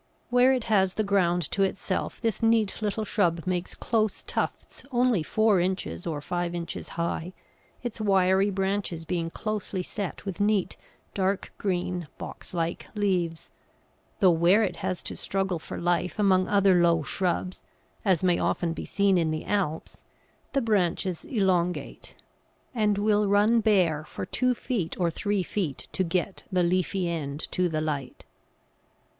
Where it has the ground to itself, this neat little shrub makes close tufts only four inches or five inches high, its wiry branches being closely set with neat, dark green, box like leaves; though where it has to struggle for life among other low shrubs, as may often be seen in the Alps, the branches elongate, and will run bare for two feet or three feet to get the leafy end to the light.